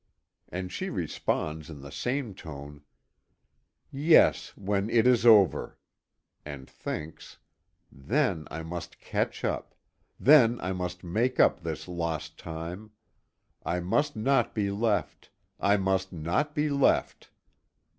And she responds in the same tone: "Yes, when it is over," and thinks: "Then I must catch up. Then I must make up this lost time. I must not be left; I must not be left!"